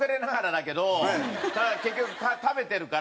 ただ結局食べてるから。